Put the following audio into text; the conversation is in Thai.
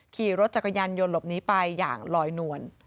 ขี่รถจักรยานยนต์หลบหนีไปอย่างลอยนวล